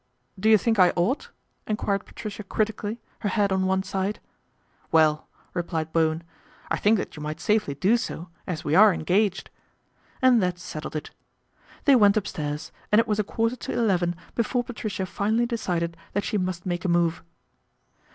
"Do you think I ought," enquired Patricia critically, her head on one side. "Well," replied Bowen, "I think that you might safely do so as we are engaged," and that settled it. They went upstairs, and it was a quarter to eleven before Patricia finally decided that she must make a move.